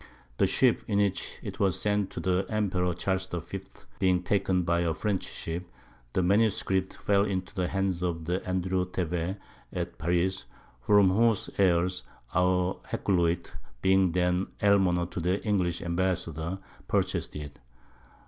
The Ship in which 'twas sent to the Emperor Charles V. being taken by a French Ship, the Manuscript fell into the Hands of Andrew Thevet at Paris, from whose Heirs our Hackluyt, being then Almoner to the English Ambassador, purchas'd it.